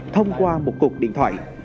thông qua một cuộc điện thoại